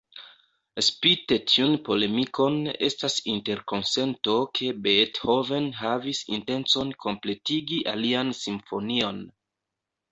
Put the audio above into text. Spite tiun polemikon, estas interkonsento ke Beethoven havis intencon kompletigi alian simfonion.